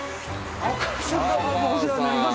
あっお世話になります。